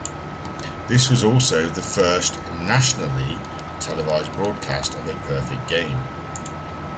This was also the first "nationally" televised broadcast of a perfect game.